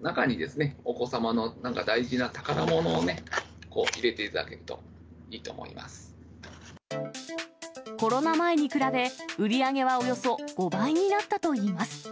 中にですね、お子様のなんか大事な宝物をね、入れていただけるといいと思いまコロナ前に比べ、売り上げはおよそ５倍になったといいます。